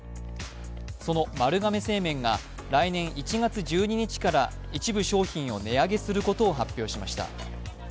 その丸亀製麺が来年１月１２日から一部商品を値上げすることを発表しました。